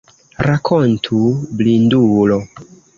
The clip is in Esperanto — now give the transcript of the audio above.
Rakontu, blindulo!